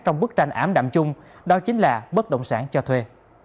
trong bức tranh ám đạm chung đó chính là bất động sản cho thuê